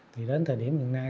thì đến thời điểm hiện nay